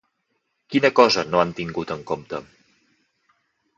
Quina cosa no han tingut en compte?